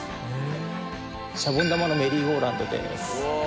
シャボン玉のメリーゴーラウンドです！